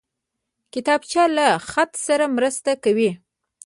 کتابچه له خط سره مرسته کوي